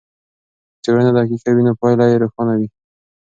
که څېړنه دقیقه وي نو پایله یې روښانه وي.